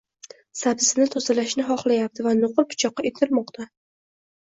sabzini tozalashni xohlayapti va nuqul pichoqqa intilmoqda.